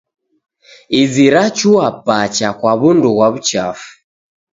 Izi rachua pacha kwa w'undu ghwa w'uchafu.